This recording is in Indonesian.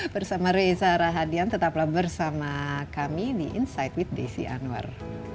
bersama reza rahadian tetaplah bersama kami di insight with desi anwar